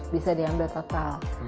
bisa diambil total